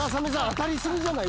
当たり過ぎじゃない？